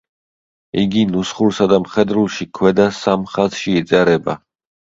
იგი ნუსხურსა და მხედრულში ქვედა სამ ხაზში იწერება.